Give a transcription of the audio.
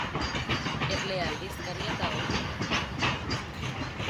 Erlea aldizkaria da horren erakusle.